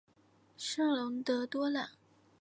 圣龙德多朗。